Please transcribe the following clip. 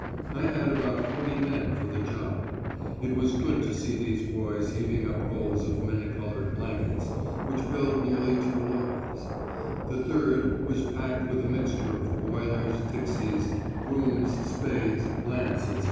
I had about forty men for the job. It was good to see these boys heaving up rolls of many coloured blankets, which filled nearly two lorries; the third was packed with a mixture of boilers, dixies, brooms, spades, lamps, etc.